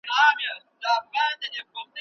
د کولېسټرول کچه هم راټیټه شوې وه.